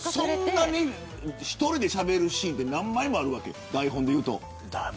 そんなに１人でしゃべるシーンって何枚もあるわけ台本でいうと。